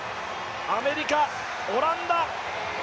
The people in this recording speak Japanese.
アメリカ、オランダ！